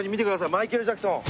マイケル・ジャクソン。